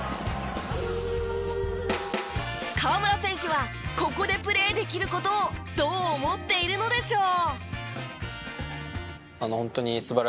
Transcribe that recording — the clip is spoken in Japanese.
河村選手はここでプレーできる事をどう思っているのでしょう？